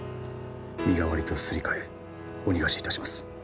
身代わりとすり替えお逃がしいたします。